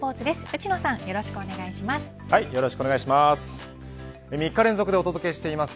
内野さんよろしくお願いします。